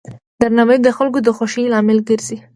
درناوی د خلکو د خوښۍ لامل ګرځي.